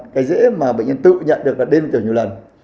cái dưới mà bệnh nhân tự nhận được là đêm đẩy nhiều lần